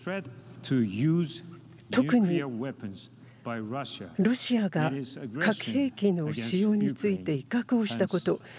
特に、ロシアが核兵器の使用について威嚇をしたこと。